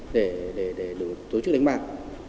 để tổ chức đánh bạc